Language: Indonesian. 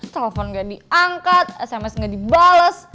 telepon gak diangkat sms nggak dibales